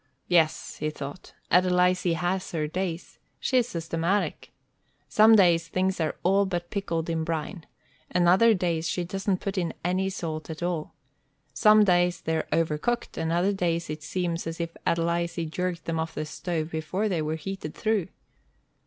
"Yes," he thought, "Adelizy has her days. She's systematic. Some days things are all but pickled in brine, and other days she doesn't put in any salt at all. Some days they're overcooked, and other days it seems as if Adelizy jerked them off the stove before they were heated through."